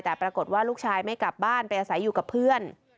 แต่ปรากฏว่าลูกชายไม่กลับบ้านไปอาศัยอยู่กับเพื่อน